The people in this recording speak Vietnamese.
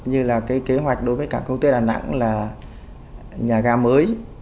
như là cái kế hoạch đối với cảng không quốc tế đà nẵng là nhà ga mới